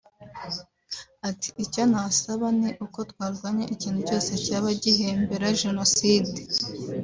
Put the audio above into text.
Ati “Icyo nabasaba ni uko twarwanya ikintu cyose cyaba gihembera jenoside